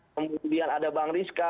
kemudian ada bang rizka